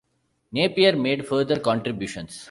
Napier made further contributions.